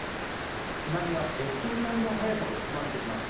津波はジェット機並みの速さで迫ってきます。